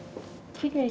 きれいに。